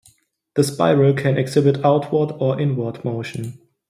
The spiral can exhibit outward or inward motion.